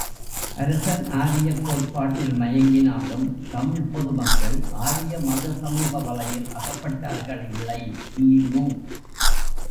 அரசன் ஆரியக் கோட்பாட்டில் மயங்கினாலும் தமிழ்ப் பொது மக்கள் ஆரிய மத சமூக வலையில் அகப்பட்டார்களில்லை. கி.மு.